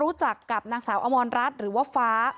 รู้จักกับนางสาวอมรรัฐหรือว่าฟ้า